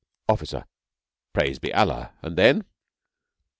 OFFICER. Praised be Allah! And then?